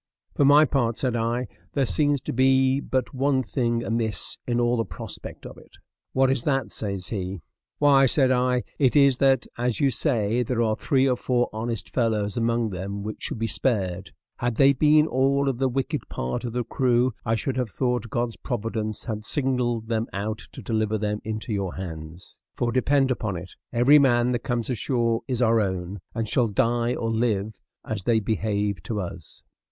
For my part," said I, "there seems to be but one thing amiss in all the prospect of it." "What is that?" says he. "Why," said I, "it is that, as you say, there are three or four honest fellows among them which should be spared; had they been all of the wicked part of the crew I should have thought God's providence had singled them out to deliver them into your hands; for depend upon it, every man that comes ashore is our own, and shall die or live as they behave to us."